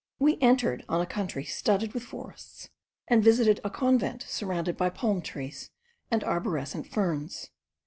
We entered on a country studded with forests, and visited a convent surrounded by palm trees and arborescent ferns.